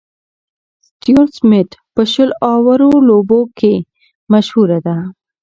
ستيون سميټ په شل اورو لوبو کښي مشهوره ده.